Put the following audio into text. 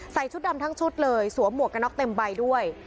ชุดดำทั้งชุดเลยสวมหมวกกระน็อกเต็มใบด้วย